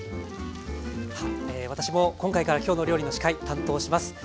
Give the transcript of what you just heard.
私も今回から「きょうの料理」の司会担当します。